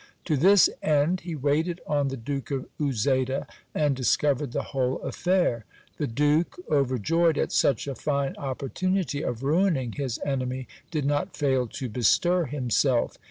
To this end he waited on the Duke of Uzeda, and dis covered the whole affair. The duke, overjoyed at such a fine opportunity of ruining his enemy, did not fail to bestir himself.